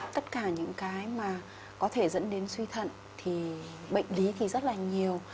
tất cả những cái mà có thể dẫn đến suy thận thì bệnh lý thì rất là nhiều